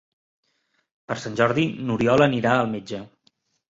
Per Sant Jordi n'Oriol anirà al metge.